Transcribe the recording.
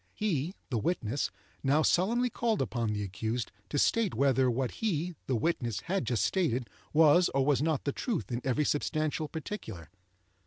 He (the witness) now solemnly called upon the accused to state whether what he (the witness) had just stated was or was not the truth in every substantial particular.